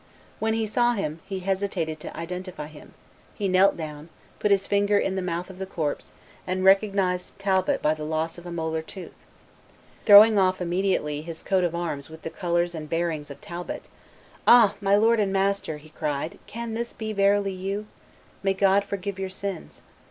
When he saw him, he hesitated to identify him; he knelt down, put his finger in the mouth of the corpse, and recognized Talbot by the loss of a molar tooth. Throwing off immediately his coat of arms with the colors and bearings of Talbot, "Ah! my lord and master," he cried, "can this be verily you? May God forgive your sins!